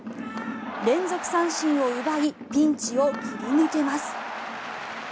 連続三振を奪いピンチを切り抜けます。